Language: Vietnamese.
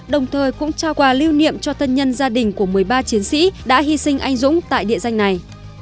đồng thời cũng trao quà lưu niệm cho thân nhân gia đình của một mươi ba chiến sĩ đã hy sinh anh dũng tại địa danh này